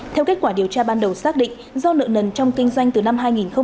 theo kết quả điều tra ban đầu xác định do nợ nần trong kinh doanh từ năm hai nghìn một mươi